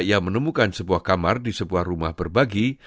ia menemukan sebuah kamar di sebuah rumah berbagi